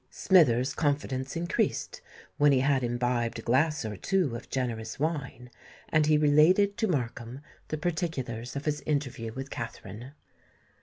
Smithers' confidence increased, when he had imbibed a glass or two of generous wine; and he related to Markham the particulars of his interview with Katharine.